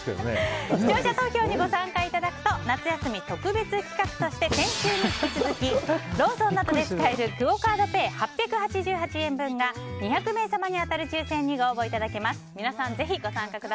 視聴者投票にご参加いただくと夏休み特別企画として先週に引き続きローソンなどで使えるクオ・カードペイ８８８円分が２００名様に当たる抽選にご応募いただけます。